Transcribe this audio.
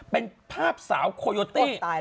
เป็นภาพสาวโคโยตี้